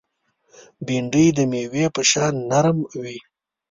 بېنډۍ د مېوې په شان نرم وي